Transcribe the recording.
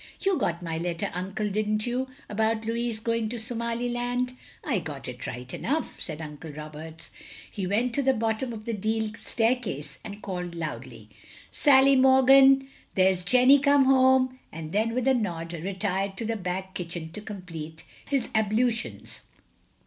"You got my letter. Uncle, didn't you, about Louis going to Somaliland?" "I got it right enough," said Uncle Roberts. He went to the bottom of the deal staircase and called loudly, "Sally Morgan! Here's Jenny come home," and then with a nod, retired to the back kitchen to complete his ablutions.